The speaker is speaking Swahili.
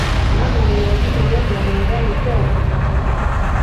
Mama waja wazito wote wanaodhani kuwa wameambukizwa